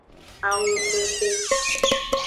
Awoxoxo.